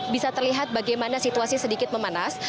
bisa terlihat bagaimana situasi sedikit memanas